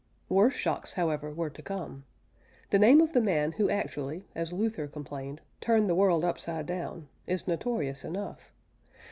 Worse shocks, however, were to come. The name of the man who actually (as Luther complained) turned the world upside down, is notorious enough.